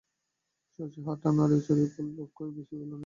শশী হাতটা নাড়িয়া চাড়িয়া বলিল, কই, বেশি ফোলেনি তো?